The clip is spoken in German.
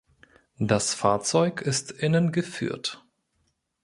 Das Fahrzeug ist innen geführt.